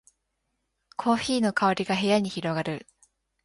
コーヒーの香りが部屋に広がる